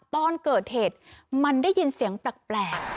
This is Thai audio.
ตอนเกิดเหตุมันได้ยินเสียงแปลก